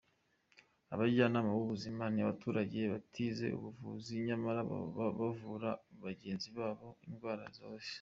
Abajyanama b’ ubuzima ni abaturage batize ubuvuzi nyamara bavura bagenzi babo indwara zoroheje.